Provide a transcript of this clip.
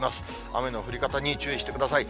雨の降り方に注意してください。